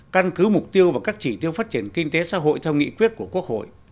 căn cứ mục tiêu và các chỉ tiêu phát triển kinh tế xã hội theo nghị quyết của quốc hội